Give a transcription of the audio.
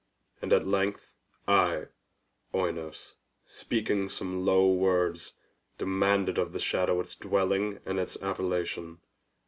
And at length I, Oinos, speaking some low words, demanded of the shadow its dwelling and its appellation.